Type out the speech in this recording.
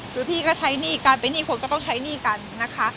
หรือพี่ก็ใช้หนี้การเป็นหนี้คนก็ต้องใช้หนี้กันนะคะ